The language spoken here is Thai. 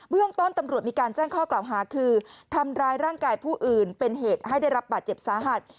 เรื่องต้นตำรวจมีการแจ้งข้อกล่าวหาคือทำร้ายร่างกายผู้อื่นเป็นเหตุให้ได้รับบาดเจ็บสาหัส